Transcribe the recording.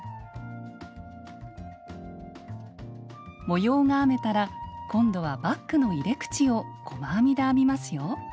模様が編めたら今度はバッグの入れ口を細編みで編みますよ。